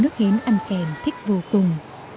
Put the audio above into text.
nước hến ăn kèm thích vô cùng